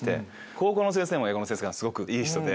高校の先生も英語の先生がすごくいい人で。